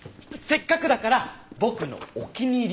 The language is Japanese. せっかくだから僕のお気に入りのお水で。